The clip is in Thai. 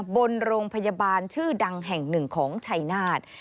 บนโรงพยาบาลชื่อดังแห่งหนึ่งของชัยนาธ